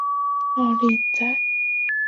二籽薹草是莎草科薹草属的植物。